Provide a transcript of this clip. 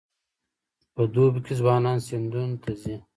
په دوبي کې ځوانان سیندونو ته ځي.